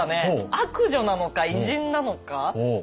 悪女なのか偉人なのか。